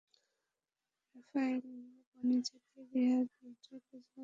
Rafael বেনিতেজের Real মাদ্রিদের coach হওয়া নিয়ে এখন সংশয় খুব সামান্যই।